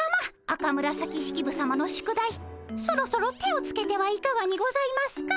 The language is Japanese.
赤紫式部さまの宿題そろそろ手をつけてはいかがにございますか？